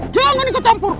jangan kau tampuk